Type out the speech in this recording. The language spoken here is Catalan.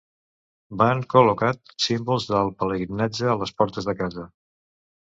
Van col·locat símbols del pelegrinatge a les portes de casa.